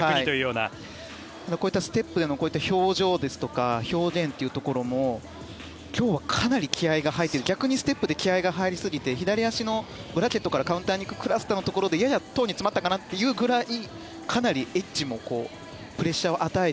ステップの表情というか表現というところも今日はかなり気合が入っていて逆にステップで気合が入りすぎて左足のブラケットからのところでややトウに詰まったかなというぐらいかなりエッジもプレッシャーを与え